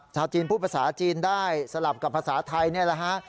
ชาวจีนพูดภาษาจีนได้สลับกับภาษาไทยนี่แหละฮะ